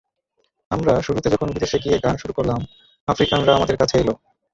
আমরা শুরুতে যখন বিদেশে গিয়ে গান শুরু করলাম, আফ্রিকানরা আমাদের কাছে এলো।